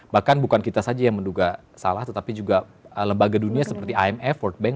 bahkan bukan kita saja yang menduga salah tetapi juga lembaga dunia seperti imf world bank